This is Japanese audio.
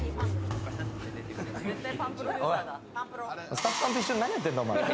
スタッフさんと一緒に何やってんだ。